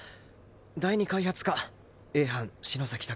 第二開発課Ａ班篠崎拓